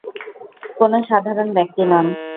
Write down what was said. কোন সাধারণ ব্যক্তি নন।